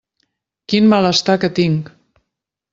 Quin malestar que tinc!